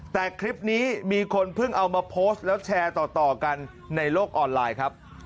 แต่คลิปนี้มีคนเพิ่งเอามาโพสต์แล้วแชร์ต่อกันในโลกออนไลน์ครับ